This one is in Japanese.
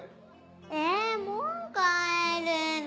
えもう帰るの？